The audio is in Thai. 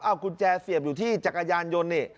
เอากุญแจเสียบอยู่ที่จักรยานยนต์นี่